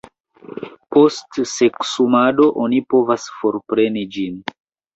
Post seksumado oni povas forpreni ĝin.